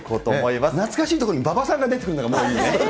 懐かしいところに馬場さんが出てくるのがもういいね。